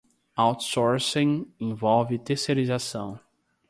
Outsourcing envolve terceirização.